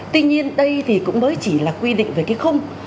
tuy nhiên đây thì cũng mới chỉ là quy định về cái khung